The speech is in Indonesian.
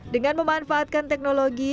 dengan memanfaatkan teknologi